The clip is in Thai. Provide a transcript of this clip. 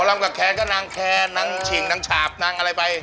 ลำกับแคนก็นางแคนนางฉิงนางฉาบนางอะไรไป